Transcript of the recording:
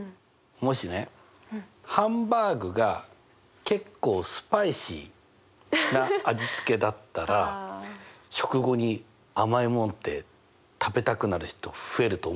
もしねハンバーグが結構スパイシーな味つけだったら食後に甘いもんって食べたくなる人増えると思わない？